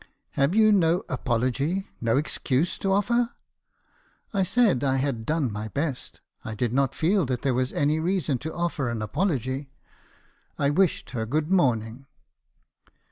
" 'Have you no apology, no excuse to offer?' "I said I had done my best; I did not feel that there was any reason to offer an apology. I wished her good morning.